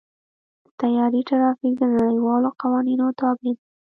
د طیارې ټرافیک د نړیوالو قوانینو تابع دی.